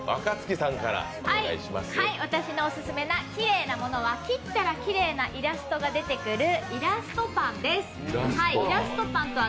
私のオススメなきれいなものは切ったらきれいなものが出てくるイラストが出てくるイラストパンです。